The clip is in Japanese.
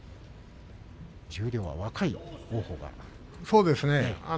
十両は若い王鵬が。